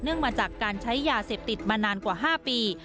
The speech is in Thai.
มาจากการใช้ยาเสพติดมานานกว่า๕ปี